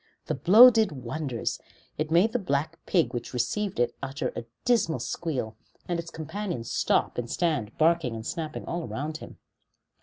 That blow did wonders; it made the black pig which received it utter a dismal squeal, and its companions stop and stand barking and snapping all around him.